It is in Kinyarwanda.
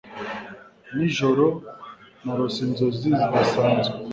Nijoro narose inzozi zidasanzwe